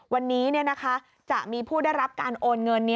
วันนี้จะมีผู้ได้รับการโอนเงิน